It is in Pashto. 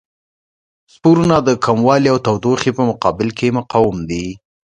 سپورونه د کموالي او تودوخې په مقابل کې مقاوم دي.